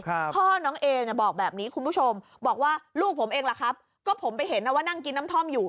พ่อน้องเอเนี่ยบอกแบบนี้คุณผู้ชมบอกว่าลูกผมเองล่ะครับก็ผมไปเห็นนะว่านั่งกินน้ำท่อมอยู่